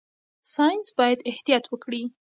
ساينس باید احتیاط وکړي.